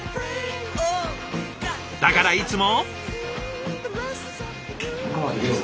だからいつも。